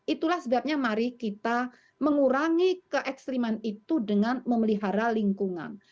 itulah sebabnya mari kita mengurangi keekstriman itu dengan memelihara lingkungan